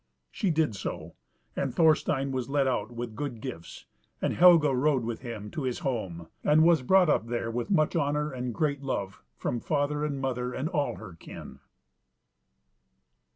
She did so, and Thorstein was led out with good gifts, and Helga rode with him to his home, and was brought up there with much honour and great love from father and mother and all her kin.